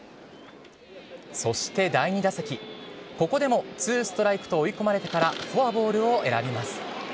そして第２打席、ここでもツーストライクと追い込まれてからフォアボールを選びます。